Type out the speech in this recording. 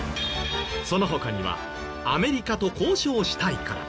その他には「アメリカと交渉したいから」